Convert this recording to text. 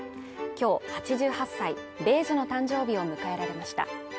今日８８歳米寿の誕生日を迎えられました